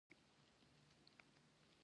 ته خپل کار کوه، زه همدلته ناست يم.